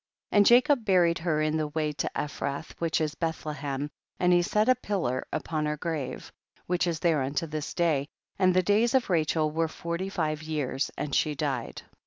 11. And Jacob buried her in the way to Ephrath, which is Bethlehem, and he set a pillar upon lier grave, tuhich is there unto this day ; and the days of Rachel were forty five years and she died.